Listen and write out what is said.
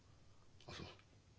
あっそう。